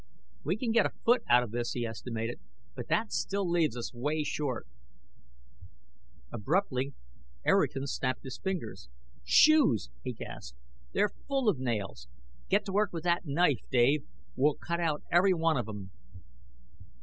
"We can get a foot out of this," he estimated. "But that still leaves us way short." Abruptly, Erickson snapped his fingers. "Shoes!" he gasped. "They're full of nails. Get to work with that knife, Dave. We'll cut out every one of 'em!"